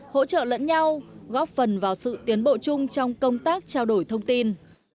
hỗ trợ lẫn nhau góp phần vào sự tiến bộ chung trong công tác trao đổi thông tin